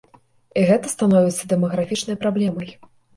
І гэта становіцца дэмаграфічнай праблемай.